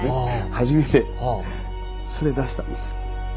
初めてそれで出したんです。